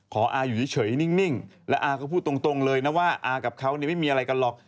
อาอยู่เฉยนิ่งแล้วอาก็พูดตรงเลยนะว่าอากับเขาไม่มีอะไรกันหรอก